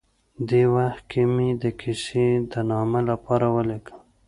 دې وخت کې مې د کیسې د نامه لپاره ولیکل.